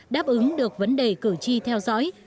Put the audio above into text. đáp ứng được vấn đề cử tri theo dõi